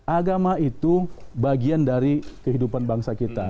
agama itu bagian dari kehidupan bangsa kita